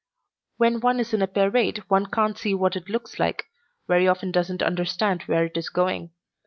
"When one is in a parade one can't see what it looks like, very often doesn't understand where it is going.